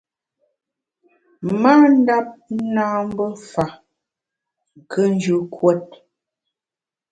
Ma ndap nâ mbe fa, nkùnjù kuot.